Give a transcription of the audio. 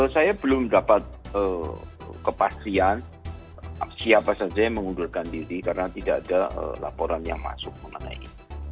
saya belum dapat kepastian siapa saja yang mengundurkan diri karena tidak ada laporan yang masuk mengenai ini